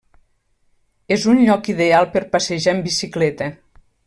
És un lloc ideal per passejar en bicicleta.